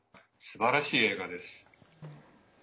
すばらしい映画です。